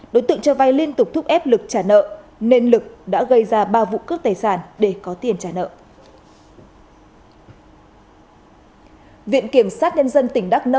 đối tượng cho vay liên tục thúc ép lực trả nợ nên lực đã gây ra ba vụ cướp tài sản để có tiền trả nợ